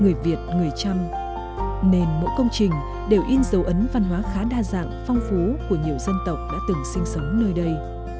người việt người trăm nên mỗi công trình đều in dấu ấn văn hóa khá đa dạng phong phú của nhiều dân tộc đã từng sinh sống nơi đây